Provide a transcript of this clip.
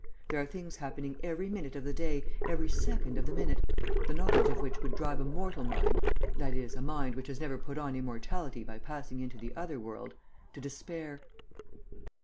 There are things happening every minute of the day, every second of the minute, the knowledge of which would drive a mortal mind that is, a mind which has never put on immortality by passing into the other world to despair."